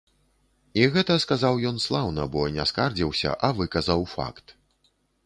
І гэта сказаў ён слаўна, бо не скардзіўся, а выказаў факт.